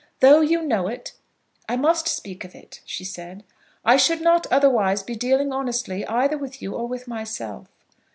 "Though you know it, I must speak of it," she said. "I should not, otherwise, be dealing honestly either with you or with myself.